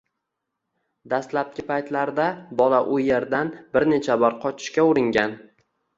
Dastlabki paytlarda bola u erdan bir necha bor qochishga uringan